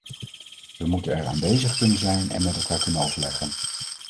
We moeten er aanwezig kunnen zijn en met elkaar kunnen overleggen.